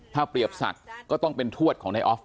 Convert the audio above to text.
ถ้าเปรียบสัตว์ก็ต้องเป็นถวดของในออฟ